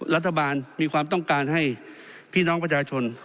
รัฐบาลมีความต้องการให้พี่น้องประชาชน